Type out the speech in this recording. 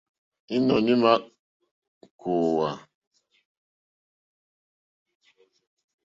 Ìnɔ̀ní à kòòwà.